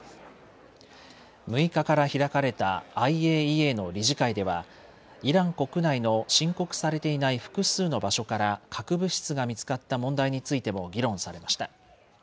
６日から開かれたＩＡＥＡの理事会ではイラン国内の申告されていない複数の場所から核物質が見つかった問題についても議論されました。